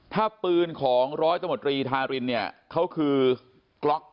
ถ้าปืนของร้อยตำรวจรีธารินเนี่ยเขาคือกล็อก